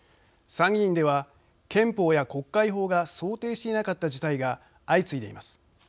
参議院では憲法や国会法が想定していなかった事態が相次いでいます。